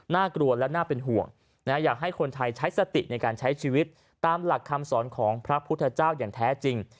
น่ากลัวและน่าเป็นห่วงอยากให้คนไทยใช้สติในการใช้ชีวิตตามหลักคำสอนของพระพุทธเจ้าอย่างแท้จริง